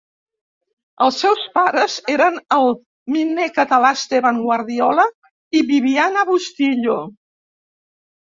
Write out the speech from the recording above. Els seus pares eren el miner català Esteban Guardiola i Bibiana Bustillo.